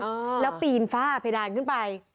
อ่าแล้วปีนฟ่าเพดานขึ้นไปอ๋อ